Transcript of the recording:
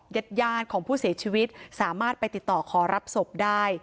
ญาติญาติของผู้เสียชีวิตสามารถไปติดต่อขอรับศพได้